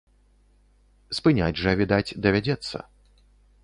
Спыняць жа, відаць, давядзецца.